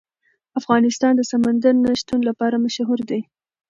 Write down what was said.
افغانستان د سمندر نه شتون لپاره مشهور دی.